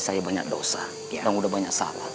saya banyak dosa